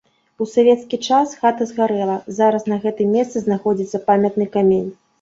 У савецкі час хата згарэла, зараз на гэтым месцы знаходзіцца памятны камень.